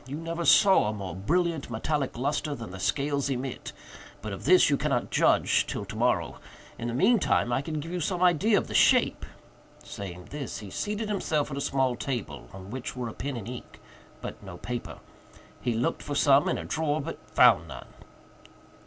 You never saw a more brilliant metallic lustre than the scales emit—but of this you cannot judge till tomorrow. In the mean time I can give you some idea of the shape." Saying this, he seated himself at a small table, on which were a pen and ink, but no paper. He looked for some in a drawer, but found none.